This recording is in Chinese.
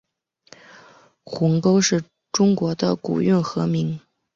鸿沟是中国的古运河名。